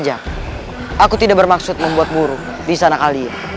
tidak aku tidak bermaksud membuat buruk di sana kalian